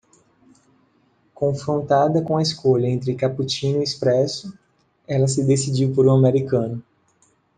Confrontada com a escolha entre cappuccino e espresso, ela se decidiu por um americano.